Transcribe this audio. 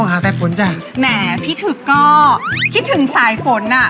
หัวหน้าอยากกินเผ็ด